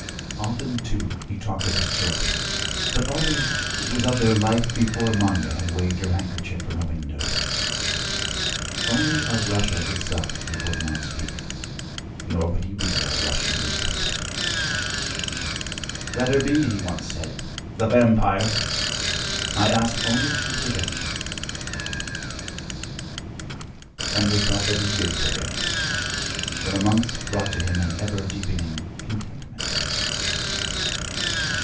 Often, too, he talked of his children, but always it was of their life before Manya had waved her handkerchief from a window. Only of Russia itself he would not speak, nor would he read our Russian newspapers. 'Let her be,' he once said, 'the vampire! I ask only to forget.' And we thought that he did forget, for the months brought to him an ever deepening contentment.